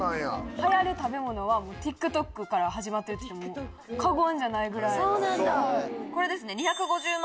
流行る食べ物はＴｉｋＴｏｋから始まってると言っても過言じゃないぐらい。